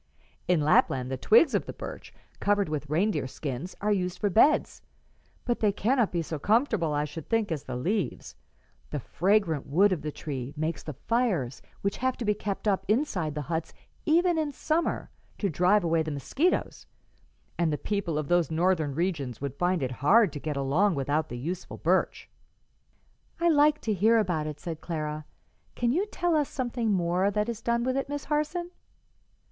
"In Lapland the twigs of the birch, covered with reindeer skins, are used for beds, but they cannot be so comfortable, I should think, as the leaves. The fragrant wood of the tree makes the fires which have to be kept up inside the huts even in summer to drive away the mosquitoes, and the people of those Northern regions would find it hard to get along without the useful birch." "I like to hear about it," said Clara. "Can you tell us something more that is done with it, Miss Harson?"